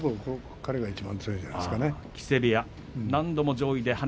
彼がいちばん強いんじゃないでしょうかね。